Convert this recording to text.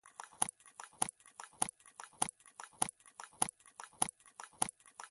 لوگر د افغانستان د چاپیریال ساتنې لپاره مهم دي.